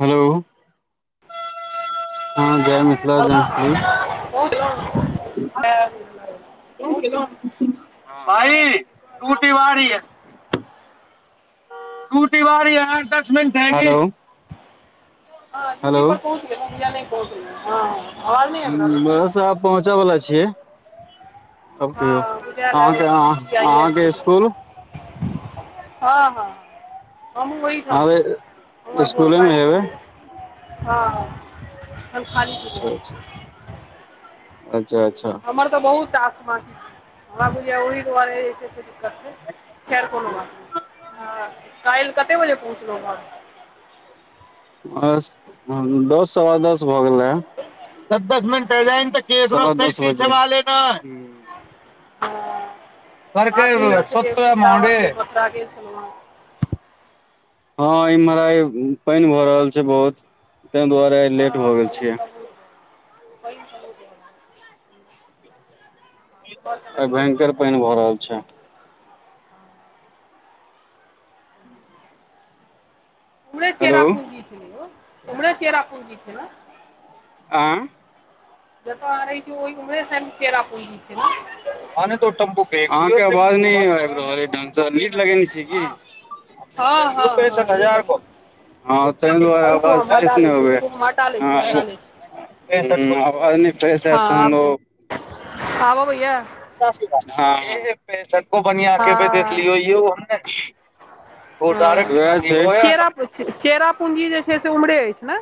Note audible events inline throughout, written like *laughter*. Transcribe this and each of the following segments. Hello हँ जय मिथिला जय मैथिली पहुँच गेलहुँ पहुँच गेलहुँ *unintelligible* दूटी बारी आ दस मिनट हेलो हँ ड्यूटी पर पहुँच गेलऊ *unintelligible* नइ पहुंचल हं हं वहाँसँ आब पहुँच बला छि अब कहियो हँ बुझायल अइ सूती आइ एस के अहाँके-आं-अहाँके स्कुल हँ हँ हमूँ ओहिठाम अहाँ छी हमर स्कुले भोरका मे हेबै स्कुल य हँ हम खाली पूजे अच्छा अच्छा हमर तऽ बहुत आसमासी छै हमरा बुझ ओहि दुआरे जे छै से खैर कोनो बात नइ हं काल्हि कते बजे पहुँचलहुँ घर? बस दस सवा दस भऽ गेलै दस दस मिनट *unintelligible* हं करके हँ कहि रहल छलियै सत्तो या मोहडे वृन्दावन भ बथरा गेल छलहु हेँ हँ इम्हर आइ पइन भऽ रहल छै बहुत तैं दुआरे आय लेट हँ भए गेल पानि छियै तऽ *unintelligible* तऽ आई कनि बेसिये भयंकर पानि पइन भऽ रहल छै उम्हरे हेलो चेरा पूंजी छलै यौ उ्म्हरे चेरा पूंजी छै न आँ जतह आँहा रहै छी ओहि उम्हरे चेरा पुंजी छै न अहाँ केआवाज नय आइब रहल अच ढंग स लीड लगेने छियै की? हँ हँ *unintelligible* पैंसठ हँ लीव हजार क लगेने हँ तैं दुआरे छै रुकू आवाज हम किछ हटा नइ लै छी अबैय रुकू हम हटा लै छी हटा लै छी *unintelligible* हं आवाज नय फ्रेस हँ एत तहन आब ओ कहू आब अबैये? हं *unintelligible* हँ *unintelligible* वैह हँ चेरा छइ चेरा पूंजी जे छै से उम्हरे अछि ने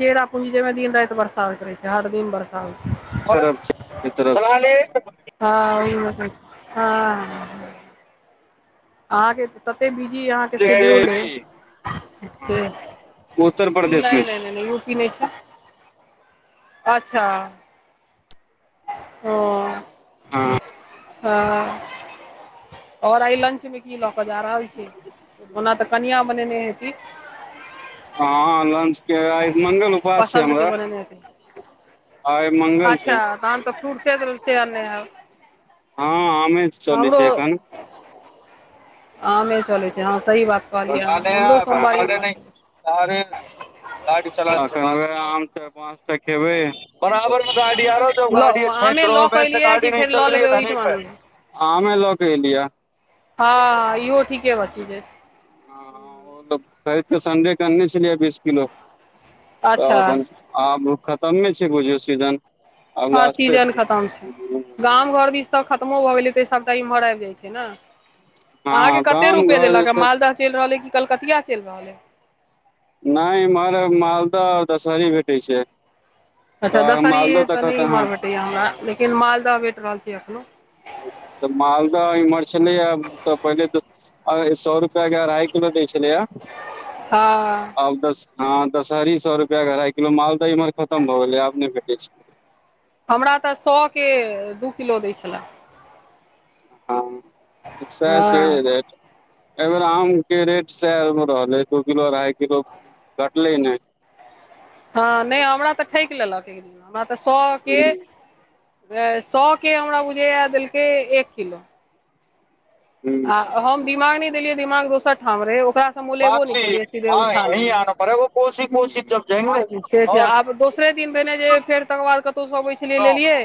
चेरा पूंजी जहिमे दिन राइत बरसा होइत रहे छै हर दिन बरसा होय छै *unintelligible* हँ ओहि में होय हँ अहाँके त तते बीजी अय अहाँ सिड्यूल अय उत्तर प्रदेश मे नय छै नय नय नय यू पी नय छै अच्छा हां। हां। हां और आई लंच मे की लऽ कऽ जा रहल छी ओना तऽ कनिया बनेनय हेथी। हां लंच के आइ मंगल उपास छै पसन्दके हमरा। बनेने हेती आय मंगल अच्छा छै। तहन तै फ्रूट्से से आनलय हैब। हां आमे चलय हमरो छै एखन। आमे चलय छै हां सही बात *unintelligible* *unintelligible* आम कहलियै अहाँ हमरो सोमवारी उपवास छलै। चाएर पाँचटा खेबय लऽ ओ आमे लऽ कऽ एलियै कि फेर लऽ लेबै ओहिठमामे *unintelligible* आमे ल कै एलियै यै। हां ईहो ठीके बात छै जे हां उ त खरीदकेऽ संडे के आननै छलिए बीस किलो तऽ अच्छा अपन आब उ खत्मे छै बुझियौ सीजन। आब हां लास्टे सीजन खत्म छै, गाम घर दिश तै खत्मो भऽ गेल हेतय सबटा इम्हर आएब जाए छै नै। अहाँके हँ कते गाम रुपए घर जे देलक हें छै मालदह चैल रहल ऐ की कलकतिया चैल रहल ऐ? नै ईम्हर मालदह आर दशहरी भेटय छै। तब मालदह तै कहत अहां दै यै हमरा लेकिन मालदह भेट रहल छै एखनो। तऽ मालदह इम्हर छलै यै तऽ पहिले तै अए सौ रुपया के अरहाय किलो दै छलय यै। हां। आब दस हां दशहरी सौ रुपया के अढ़ाए किलो मालदह इम्हर खत्म भऽ गेलय आब नै भेटय छै। हमरा तै सौ के दू किलो दै छलै। हां सैह छै ए हँ बेर। ए बेेर आम के रेट सेह रहलै दू किलो अढ़ाय किलो घटलै नै। हां नै हमरा तै ठैक लेलक एकदिन हमरा तै सौ के हूँ ए सौ के हमरा बुझाय यै देलकै एक किलो। हूँ आ हम दिमाग नै देलियै दिमाग दोसर ठाम रहय ओकरा मोलेबो नै वापसी केलियै सिधे हाँ उठा यही आना पड़ेगा कोसी कोसी जब लेलिए जाएंगे ठीके छै और आब दोसरे दिन भेनै जे फेर तकर बाद कतो से अबै छलिए लेलियै हूँ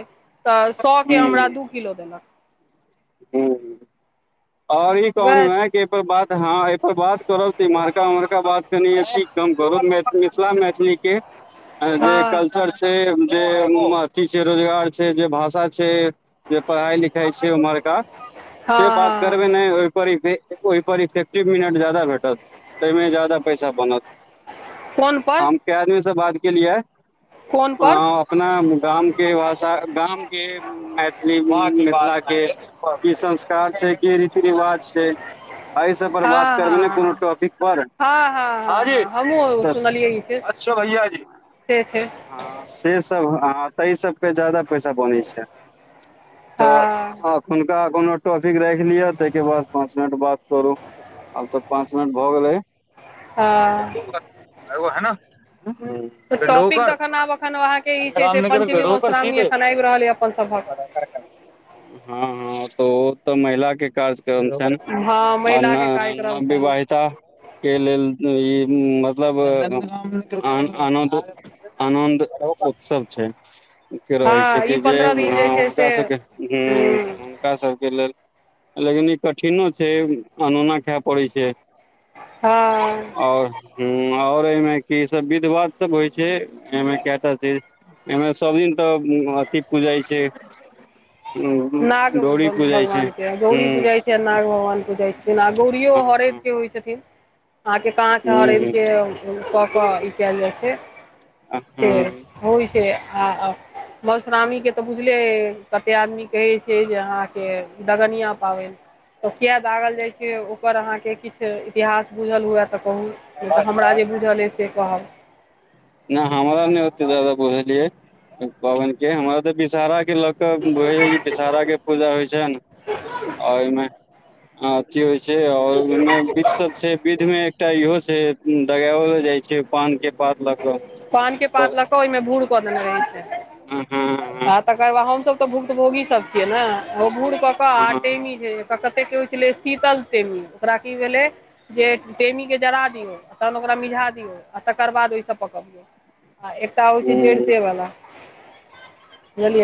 तऽ सौ के हमरा दू किलो देलक हूं-हूं और ई वएह कहनो छै हें कि ए पर बात हां ए पर बात करब तऽ इम्हरका उम्हरका बात कनीए *unintelligible* कम करब ओकर मैथ मिथिला मैथिली के ऐं जे हँ कल्चर छै जे उ में अथी छै रोजगार छै जे भाषा छै। जे पढ़ाई-लिखाई छै उम्हरका से हँ बात हँ करबे हँ नै ओय *unintelligible* ओय पर इफेक्टिव मिनट जादा भेटत तै मे जादा पैसा बनत। कोन पर? कै आदमी से बात केलियै? कोन पर हां अपना गामके भाषा गामके मैथिली उम्म मिथिलाके की संस्कार छै, की रीति-रिवाज छै? ए सब पर बात करबै नै कुनू टॉपिक पर। हँ जी हां-हां-हां-हां हमु सुनलियै ई चीज। अच्छा भैया जी। छै। हां से सब हां तै सबके जादा पैसा बनै छै तऽ हँ हुनका कोनो टॉपिक राख लियौ तै के बाद पांच मिनट बात करू, आब तऽ पांच *unintelligible* भऽ गेलै, हँ हुं। तऽ टॉपिक तखन आब एखन अहाँ के ई छै काम से नहि करे पंचमी घरो कर मौश्रामणी सीधे एखन आब रहल या अपन सभक। *unintelligible* हां-हां त उ तऽ महिला के कार्जक्रम छैन। हँ आ महिला नै के कार्यक्रम छनि नवविवाहिता के लेल ई मतलब अ अना त आनन्द उत्सव छै। के रहै छै हँ कि ई जे पन्द्रह दिन हां जे छै हुनका से सबके उम्म हूँ हुनका सबके लेल लेकिन ई कठिनो छै अनूना खाय पड़ै छै। हां। और हुं और ए मे की सब विध-वाध सब होय छै, एमे काएटा चीज ए मे सब दिन तऽ उम्म अथी पूजैय छै उम्म नाग भग भगवान के गौड़ी पुजाय के नाग भगवान पुजाय छथिन आ गौरियो हूँ हरैद हूँ के होय छथिन, अहाँ के पांच हरैद हूँ के ओ कऽ कऽ ई काएल जाय छै। आ ह के होय छै आ आ मौश्रामणी के तऽ बुझले अय कते आदमी कहै छै जे अहाँ के दगनिया पाबैन। तऽ किया दागल जाय छै, ओकर अहाँ के किछ इतिहास बुझल हुआए तऽ कहु। नै तऽ हमरा जे बुझल अय से कहब। नै हमरा नै ओते जादा बुझल या ओय पाबैन के, हमरा ते विषहारा के ल त भैर ई विषहारा के पूजा होय छै ना। अ ओय मे अथी होय छै और ओय मे विध सब छै। विध मे एकटा इहो छै उम्म दगाएलो जाय छै पान के पात लऽ कऽ पान के पात पर लऽ कऽ ओय मे भूर कऽ देने रहैत छै। हँ हँ हँ आ तकर बाद हम सब तऽ भुक्तभोगी सब छियै नै ओ भुर क-क आ हँ टेमी जे एता कतेक के होय छलै शीतल टेमी, ओकरा की भेलै जे टेमी के जरा दियौ तहन ओकरा मिझा दियौ आ तकर बाद ओय से तब पकबियौ आ एकटा होय छै हूँ जड़ते वला।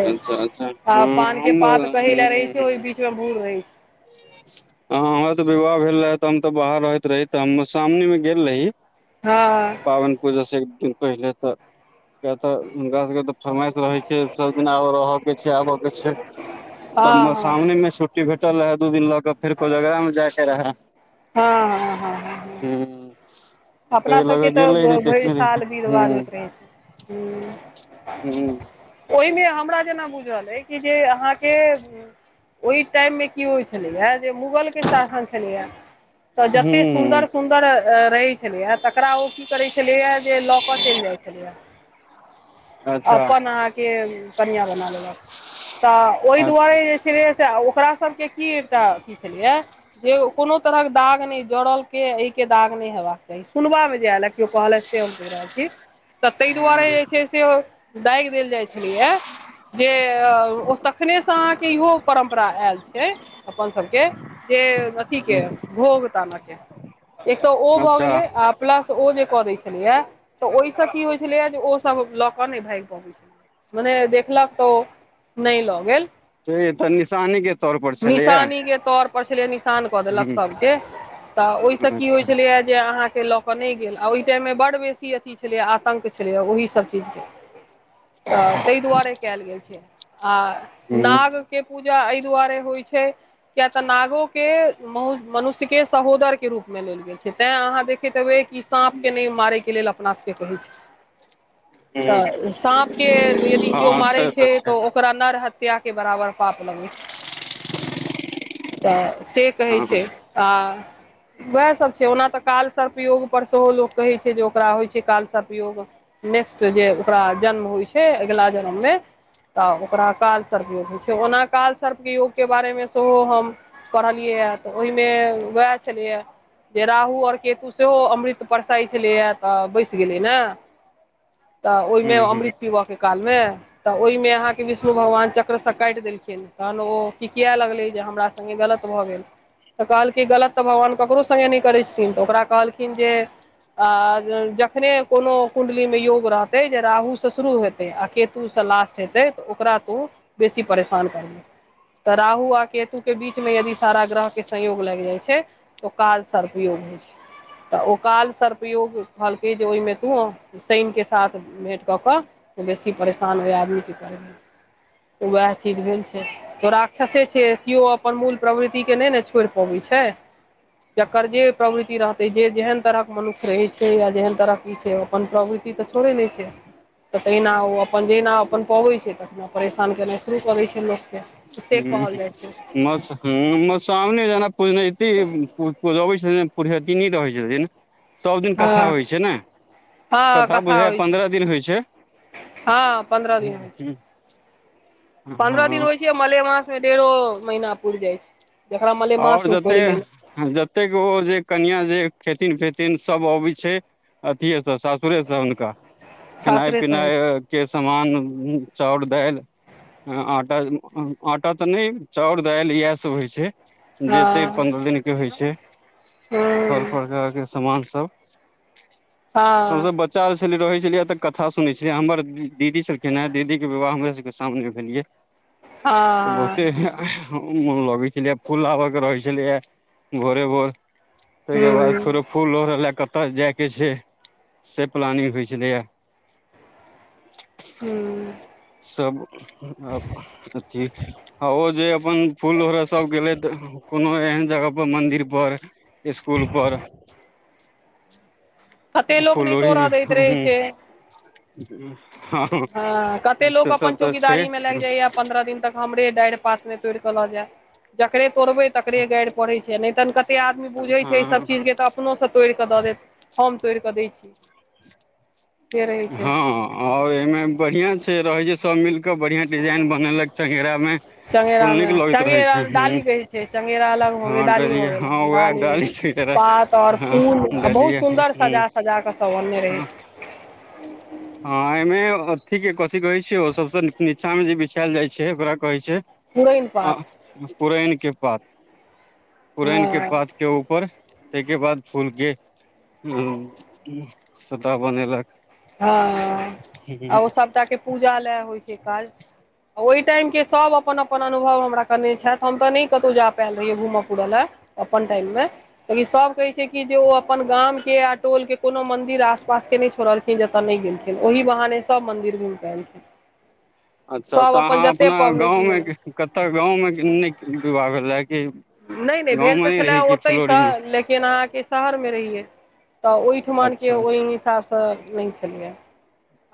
अच्छा-अच्छा आ हां पान के हमर पात कहै लए रहै छै हां-हां। ओहि बीच मे भूर रहै छै हां हमरा तऽ विवाह भेल रहै तऽ हम तऽ बाहर रहैत रही तऽ हम मौश्रामणी मे गेल रही। हां-हां। पाबैन पूजा से एक दिन पहिले त किया त हुनका सबके त फरमाइश रह सब दिन आबा रहा के छै, आबै के छै तब हँ हँ मौश्रामणी मे छुट्टी भेटल रहै दू दिन ल तब फेर कोजगरा मे जाय के रहाए। हां-हां-हां-हां-हां-हां। हुं। अपना सबके तऽ भैर साल हूँ विध-वाध होएत रहै छै, हुं। हुं। ओहिमे हमरा जेना बुझल अइ कि जे अहाँके ओहि टाइम मे की होइत छलैेया, जे मुगलके शासन छलैया। तऽ हूँ जते हूँ सुन्दर- सुन्दर रहै छ छलैया, तकरा ओ की करैत छलैया जे, लऽ क चलि जाइ छलैया। अच्छा अपन अहांके कनिया बना लेलक, तऽ ओहि अच्छा दुआरे जे छलैया से आ, ओकरा सबके की एकटा अथी छलैया। जे ओ कोनो तरहक दाग नहि, जड़ल के एहि के दाग नहि हेबाक चाही। सुनबा मे जे आयल, या केओ कहलथि से हम कहि रहल छी, तऽ ताहि दुआरे जे छै से ओ दागि देल जाइ छलैया। जे ओ तखनेसँ अहाँके इहो परम्परा आयल छै। अपन सबके, जे अथि के, हूँ, घोघ ताना के, एक तऽ ओ भऽ अच्छा गेलै, आ प्लस ओ जे कऽ दै छलैया तऽ, ओहिसँ की होइ छलैया, जे ओ सब ल क नहि भागि पाबैत छलै, मने देखलक तऽ ओ नहि लऽ गेल। छैहे तऽ निशानी के निशानी के तौर पर छलैया निशान कऽ देलक हूँ सब के, तऽ ओहिसे की होइ अच्छा छलैया जे अहाँके ल क नहि गेल आ, ओहि टाइम मे बड बेसी अथी छलैेया आतंक छलैेया, ओहि सभ चीजके तऽ ताहि दुआरे कयल गेल छै, आ हूँ नाग के पूजा एहि दुआरे होइ छै, किया तऽ, नागो के मन मनुष्य के सहोदर के रूप मे लेल गेल। छै, तैं अहाँ देखैत हेबै, कि साँप के नहि मारैके लेल अपना सभके कहै छै। हूँ तऽ साँप के यदि केओ मारै छै, तऽ ओ ओकरा नर हत्या के बराबर पाप लगे छै। तऽ से कहै हँ छै, आ उएह सभ छै, ओना तऽ काल सर्पयोग पर सेहो लोक कहै छै जे, ओकरा होइ छै काल सर्पयोग। नेक्स्ट जे ओकरा जन्म होइ छै, अगिला जन्ममे तऽ ओकरा काल सर्प योग होइ छै, ओना काल सर्प के योग के बारे मे सेहो हम पढ़लियैए, तऽ ओहिमे उएह छलैयऽ। जे राहु आओर केतु सेहो अमृत बरसाइत छलैया तऽ बैस गेलै ने। तऽ ओहिमे हूँ हूँ अमृत पिबऽ के काल मे, तऽ ओहिमे अहाँके विष्णु भगवान! चक्र से काटि देलखिन, तहन ओ किकियाए लगलै, जे हमरा सङ्गे गलत भऽ गेल। तऽ कहलकय गलत तऽ भगवान ककरो सङ्गे नहि करै छथिन, तऽ ओकरा कहलखिन जे आ जखने कोनो कुण्डलीमे योग रहतै, जे राहूसँ शुरू हेतै, आ केतुसँ लास्ट हेतै तऽ, ओकरा तू बेसी परेशान करिहऽ। तऽ राहु आ केतु के बीच मे यदि सारा ग्रह के संयोग लागि जाइ छै। तऽ काल सर्पयोग होइ छै, तऽ ओ काल सर्पयोग कहलकै, जे ओहिमे तू शनिके साथ भेँट कऽ कऽ, बेसी परेशान ओए आदमीके करब। वएह चीज भेल छै, थोड़ाक छ सेे छै, केओ अपन मूल प्रवृतिके नहि ने छोड़ि पबैत छै। जकर जे प्रवृति रहते, जे जेहन तरह के मनुष्य रहे छै, या जेहन तरह के ई छै, ओ अपन प्रवृति तऽ छोड़े नहि छै। तऽ तहिना ओ अपन जहिना अपन पबै छै, तहिना परेशान केनाइ शुरू करै छै, लोकके! से हँ, कहल जाइ छै मस *unintelligible* पुरहेतीन रहै छथिन ने। सब दिन कथा हँ होइ छै ने हँ कथा बुझाइयऽ होइ छै पन्द्रह दिन होइ छै। हँ पन्द्रह दिन। पंद्रह दिन हँ होइ छै मलेमास मे डेढ़ो महीना पुइर जाइ छै जकरा मलेमास मे पड़ि गेल। एतेक ओ जे कनिया जे खेथिन पेथिन सब अबै छै। अथिएसँ सासुरेसँ हुनका खेनाइ सासुरे से होइ पिनाइ छै के समान चाउर दालि हँ आटा आटा तऽ नहि चाउर दालि इएह सब होइ छै। जतेक हँ पन्द्रह दिनके होइ छै फल हूँ प्रकारके सामानसभ। हँ हमसब ब चा छलीये तो होई छलिय अतऽ कथा सुनने छलियै हमर दीदी सब के ने दीदी के विवाह हमरा सब के सामने भेलिये। तऽ बहुते ए हँ है ह मोन लगै छलै। फूल लाबऽ के रहै छलै यऽ भोरे भोर ताहिके बाद हूँ फेरो फूल लोढ़ऽ लए कतऽ जाइके छै से प्लानिंग होइ छलैए। हूँ सब *unintelligible* आब अथी आ ओ जे अपन फूल लोढ़ऽ सब गेलेथ कोनो एहन जगह पर मंदिर पर इसकुल पर कते लोक फुल नहि लोढ़ी तोड़ऽ में दैत ह्म रहै हू छै *unintelligible* ह हँ कते ह लोक से अपन सब तऽ छै चौकीदारी मे लागि जाइया ह। पन्द्रह दिन तक हमरे डाढ़ि पात नहि तोड़ कऽ लऽ जाय। जकरे तोड़बै तकरे गारि पड़ैत छै नहि तऽ ने कते आदमी बुझैत छै ई हँ सभ चीज के तऽ अपनोसँ तोड़िकऽ दऽ देत हम तोड़ि कऽ दै छी। से रहै छै हँ और एहिमे बढ़िया छै रहे छै सब मिल के बढ़ियां डिजाइन बनेलक चंगेरा मे। चंगेरा फूल मे नीक लगैत रहै चंगेरा छै ह डाली कहै छै चंगेरा अलग हो गेल हँ डाली हो डरियै गेल हँ उएह डाली छै पात और *unintelligible* हँ फूल आ बहुत डलियै सुन्दर हूं सजा सजा कऽ सब अनने रहै ह। छै हँ एमे अथी के कथिी कहै छै ओ सबस नीचा में जे बिछायल जाइ छै ओकरा कहै छै। पुरैन आ पात पुरैन के पात पुरैन के हँ पात। के ऊपर ताहिके बाद फूल के हूँ सूता बनेलक। हँ आ ओ सबटाके पूजा लय होइ छै काज। आ ओहि टाइमके सभ अपन अपन अनुभव हमरा कयने छथि हम तऽ नहि कतहु जा पायल रहियै घूमय फूरऽ लेल। अपन टाइम मे। लि सब कहै छै कि जे ओ अपन गाम के आ टोल के कोनो मंदिर आस पास के नहि छोड़ल जतऽ नहि गेलखिन ओहि बहाने सब मन्ददिर घूमिकऽ एलथिन। अच्छा तऽ अहाँ अपना पबनैति गाँवमे भेलै कतऽ गाँव मे नीक विवाह भेल जाय। नहि नहि भेल तऽ छलए ओतहिसँ फुलौरीमे लेकिन अहाँके शहरमे रहिै तऽ ओहिठमके अच्छा ओहि अच्छा हिसाबसँ नहि छलियै।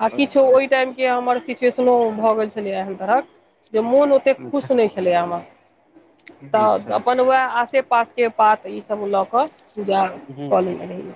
आ किछु अच्छा अच्छा ओहि टाइम के हमर सिचुएशनो भऽ गेल छलै एहन तरहक जे मोन एतेक खुश नहि छलैए हमर। ब *unintelligible* तऽ अपन वएह आसे पासके पात ईस लऽ कऽ पूजा हम्म कऽ लने रही।